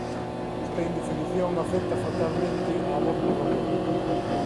Esta indefinición afecta fatalmente á voz narradora: